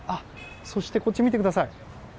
そして、こっち見てください。